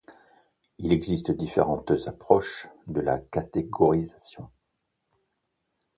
Il existe différentes approches de la catégorisation.